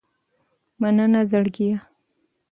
مننه زړګیه